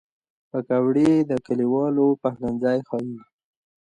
پکورې د کلیوالو پخلنځی ښيي